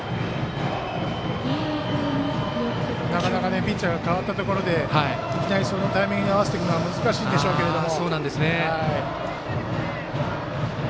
なかなかピッチャーが代わったところでいきなり、そのタイミングに合わせていくのは難しいんでしょうけども。